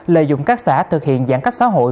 lợi dụng các xã thực hiện giãn cách xã hội